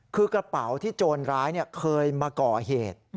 คือกระเป๋าที่โจรร้ายเคยมาก่อเหตุ